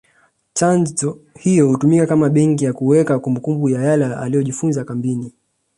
Chanjo hizo hutumika kama benki ya kuweka kumbukumbu ya yale yote aliyojifunza kambini